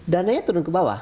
dananya turun ke bawah